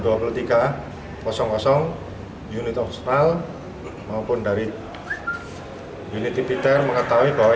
unit eksternal maupun dari unit tipiter mengetahui bahwa